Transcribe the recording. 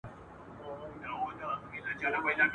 سهار دي نه سي ..